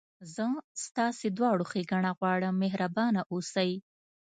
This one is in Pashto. زه ستاسي دواړو ښېګڼه غواړم، مهربانه اوسئ.